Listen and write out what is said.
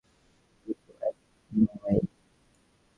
দুটো এক নয়।